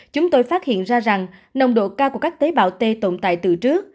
chúng tôi phát hiện ra rằng nồng độ ca của các tế bào t tồn tại từ trước